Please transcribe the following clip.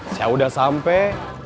saya udah sampai